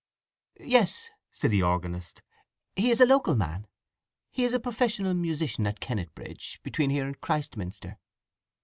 "Yes," said the organist. "He is a local man. He is a professional musician at Kennetbridge—between here and Christminster.